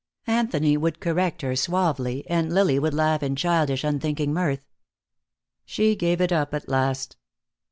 Anthony would correct her suavely, and Lily would laugh in childish, unthinking mirth. She gave it up at last.